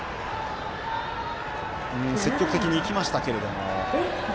積極的にいきましたけど。